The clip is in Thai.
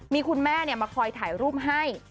มีคุณแม่มาคอยถ่ายรูปให้